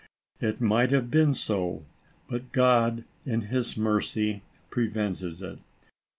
It might have been so, but God, in his mercy, prevented it.